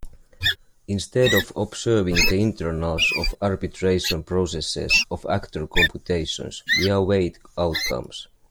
Instead of observing the internals of arbitration processes of Actor computations, we await outcomes.